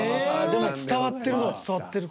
でも伝わってるは伝わってるか。